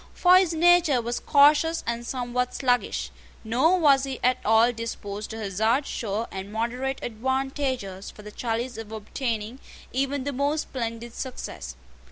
For his nature was cautious and somewhat sluggish; nor was he at all disposed to hazard sure and moderate advantages for the chalice of obtaining even the most splendid success.